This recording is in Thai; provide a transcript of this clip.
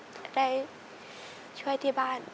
จะได้ช่วยที่บ้าน